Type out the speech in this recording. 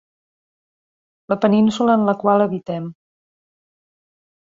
La península en la qual habitem.